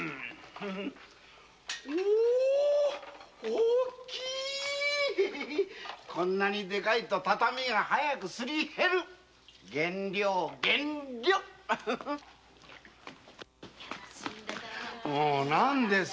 お大きいこんなにでかいと畳が早くすり減る減量減量！なんです？